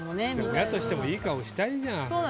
だとしてもいい顔したいじゃん。